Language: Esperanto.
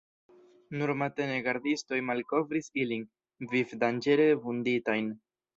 Nur matene gardistoj malkovris ilin, vivdanĝere vunditajn.